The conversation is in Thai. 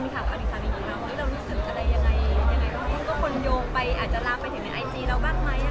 ยังคะวิ่งก็คงโยมไปอาจทำไมบ้างไหม